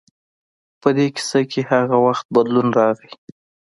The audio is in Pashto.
خو په دې کیسه کې هغه وخت بدلون راغی.